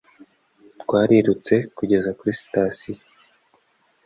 Twarirutse kugeza kuri sitasiyo